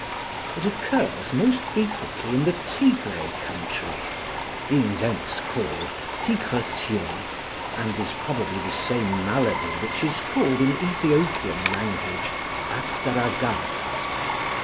It occurs most frequently in the Tigre country, being thence call Tigretier, and is probably the same malady which is called in Ethiopian language Astaragaza.